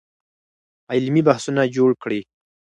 علمي بحثونه جوړ کړئ.